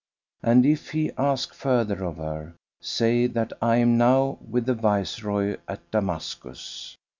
And, if he ask further of her, say that I am now with the Viceroy at Damascus."